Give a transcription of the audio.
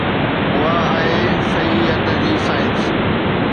اها آهي صحيحيت جي سائنس.